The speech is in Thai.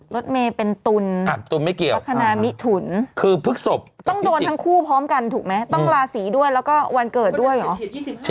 รถเมย์เป็นตุลไม่เกี่ยวลักษณะมิถุนคือพฤกษบต้องโดนทั้งคู่พร้อมกันถูกไหมต้องลาศีด้วยแล้วก็วันเกิดด้วยเหรอ